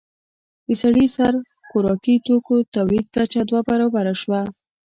د سړي سر خوراکي توکو تولید کچه دوه برابره شوه.